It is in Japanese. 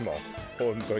本当に。